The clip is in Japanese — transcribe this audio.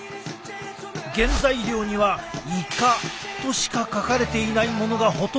原材料には「イカ」としか書かれていないものがほとんど。